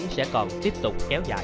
sẽ còn tiếp tục kéo dài